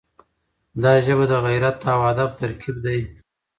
دا ژبه د غیرت او ادب ترکیب دی.